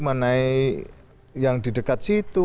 mengenai yang di dekat situ